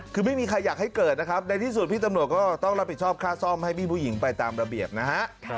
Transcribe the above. คือไม่มีใครอยากให้เกิดนะครับในที่สุดพี่ตำรวจก็ต้องรับผิดชอบค่าซ่อมให้พี่ผู้หญิงไปตามระเบียบนะฮะ